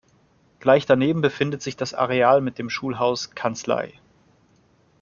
Gleich daneben befindet sich das Areal mit dem Schulhaus «Kanzlei».